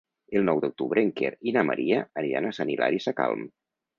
El nou d'octubre en Quer i na Maria aniran a Sant Hilari Sacalm.